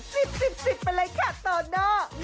สิบไปเลยค่ะโตโน่